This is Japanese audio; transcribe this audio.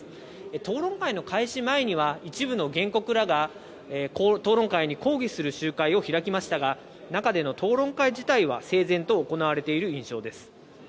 討論会の開始前には一部の原告らが討論会に抗議する集会を開きましたが、中での討論会自体は整然と行われている印象です。